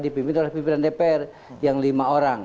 dipimpin oleh pimpinan dpr yang lima orang